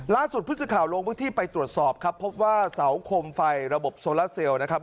ล่าสุดผู้สื่อข่าวลงพื้นที่ไปตรวจสอบครับพบว่าเสาคมไฟระบบโซลาเซลนะครับ